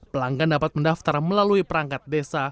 pelanggan dapat mendaftar melalui perangkat desa